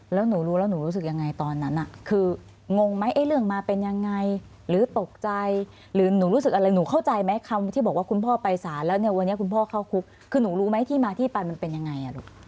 แล้วหนูรู้แล้วหนูรู้สึกยังไงตอนนั้นคืองงไหมเรื่องมาเป็นยังไงหรือตกใจหรือหนูรู้สึกอะไรหนูเข้าใจไหมคำที่บอกว่าคุณพ่อไปศาลแล้วเนี่ยวันนี้คุณพ่อเข้าคุกคือหนูรู้ไหมที่มาที่ไปมันเป็นยังไงอ่ะลูก